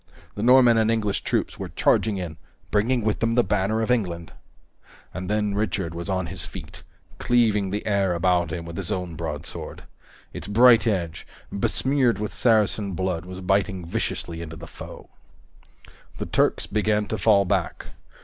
The Norman and English troops were charging in, bringing with them the banner of England! And then Richard was on his feet, cleaving the air about him with his own broadsword. Its bright edge, besmeared with Saracen blood, was biting viciously into the foe. The Turks began to fall back.